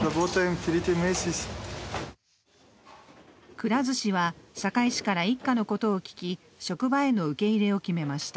くら寿司は堺市から一家のことを聞き、職場への受け入れを決めました。